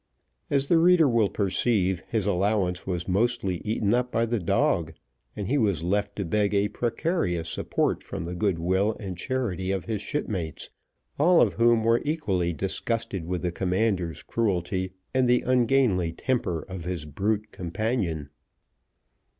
As the reader will perceive, his allowance was mostly eaten up by the dog, and he was left to beg a precarious support from the good will and charity of his shipmates, all of whom were equally disgusted with the commander's cruelty and the ungainly temper of his brute companion.